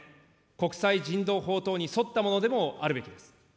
国際人道法等にも沿ったものであるべきです。